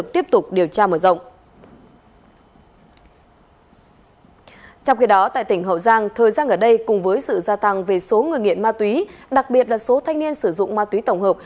trong khi đó tại tỉnh hậu giang thời gian ở đây cùng với sự gia tăng về số người nghiện ma túy đặc biệt là số thanh niên sử dụng ma túy tổng hợp